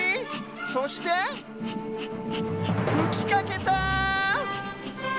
そしてふきかけた！